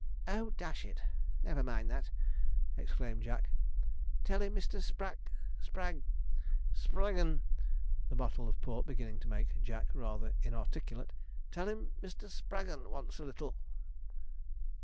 'Oh, dash it, never mind that!' exclaimed Jack; 'tell him Mr. Sprag Sprag Spraggon' (the bottle of port beginning to make Jack rather inarticulate) 'tell him Mr. Spraggon wants a little.'